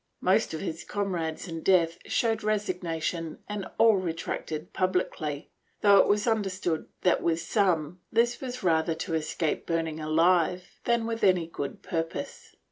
Most of his comrades in death showed resignation and all retracted publicly, though it was understood that with some this was rather to escape burning aUve than with any good purpose.